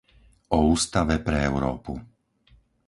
O ústave pre Európu.